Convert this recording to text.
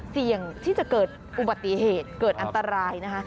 เสี่ยงที่จะเกิดอุบัติเหตุเกิดอันตรายนะคะ